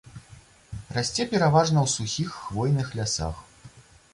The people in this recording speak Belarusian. Расце пераважна ў сухіх хвойных лясах.